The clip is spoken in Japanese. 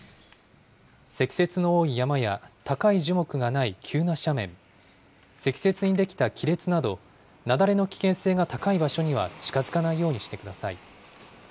積雪の多い山や高い樹木がない急な斜面、積雪に出来た亀裂など、雪崩の危険性が高い場所には近づかないようにしてください。